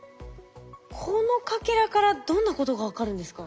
このかけらからどんなことが分かるんですか？